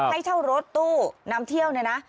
ให้เช่ารถตู้นำเที่ยวนะ